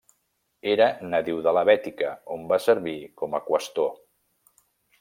Era nadiu de la Bètica on va servir com a qüestor.